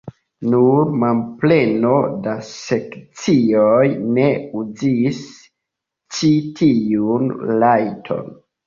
Nur manpleno da sekcioj ne uzis ĉi tiun rajton.